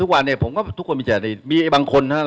แล้วถ้ามีความวุ่นวายในช่วงประตรีมันจะเกิดอะไรขึ้นอีกก็ไม่ได้อีก